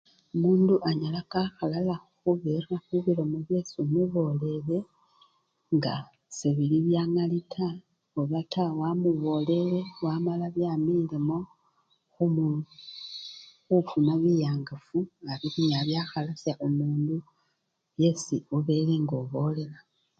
Omundu kanyala kakhalala khubirira mubilomo byesi omubolele, nga sebil byangali taa obata wamubolele wamala byamilemo khumu! khufuna buwangafu, ari binyala byakhalasya omundu yesi obele nga obolela.